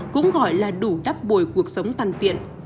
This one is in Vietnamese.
cũng gọi là đủ đắp bồi cuộc sống tàn tiện